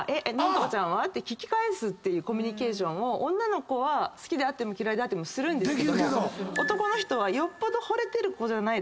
「何とかちゃんは？」って聞き返すっていうコミュニケーションを女の子は好きであっても嫌いであってもするんですけども男の人は。